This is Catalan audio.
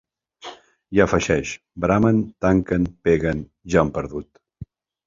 I afegeix: Bramen, tanquen, peguen, ja han perdut.